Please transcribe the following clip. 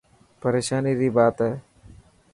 پريشاني ري بات هي.